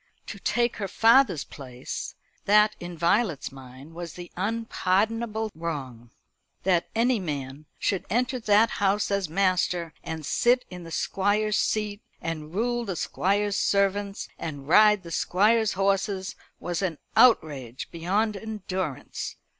To take her father's place; that in Violet's mind was the unpardonable wrong. That any man should enter that house as master, and sit in the Squire's seat, and rule the Squire's servants, and ride the Squire's horses, was an outrage beyond endurance.